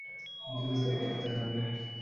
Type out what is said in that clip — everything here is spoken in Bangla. দ্রুত করতে হবে।